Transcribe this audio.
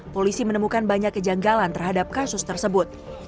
polisi menemukan banyak kejanggalan terhadap kasus tersebut